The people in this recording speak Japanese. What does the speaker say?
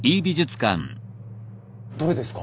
どれですか？